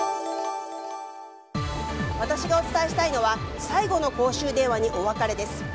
私がお伝えしたいのは最後の公衆電話にお別れです。